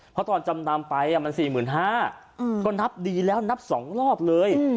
เพราะตอนจำนำไปมัน๔๕๐๐ก็นับดีแล้วนับ๒รอบเลย